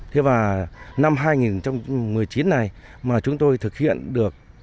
thế và năm hai nghìn một mươi chín này mà chúng tôi thực hiện được